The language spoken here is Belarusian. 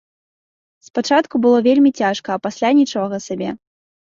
Спачатку было вельмі цяжка, а пасля нічога сабе.